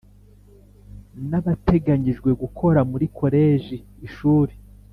n abateganyijwe gukora muri koleji Ishuri